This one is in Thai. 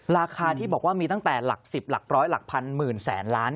ราคาที่บอกว่ามีตั้งแต่หลัก๑๐หลักร้อยหลักพันหมื่นแสนล้าน